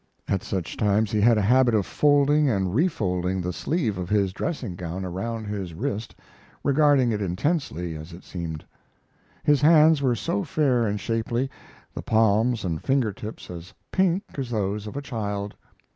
At such times he had a habit of folding and refolding the sleeve of his dressing gown around his wrist, regarding it intently, as it seemed. His hands were so fair and shapely; the palms and finger tips as pink as those of a child.